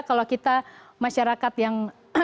kalau kita masyarakat yang